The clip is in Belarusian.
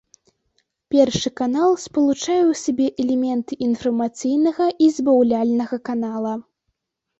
Першы канал спалучае ў сабе элементы інфармацыйнага і забаўляльнага канала.